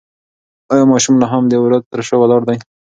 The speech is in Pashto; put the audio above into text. ایا ماشوم لا هم د وره تر شا ولاړ دی؟